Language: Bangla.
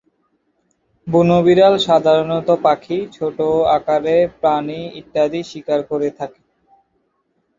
বুনো বিড়াল সাধারণত পাখি, ছোট আকারের প্রাণী ইত্যাদি শিকার করে থাকে।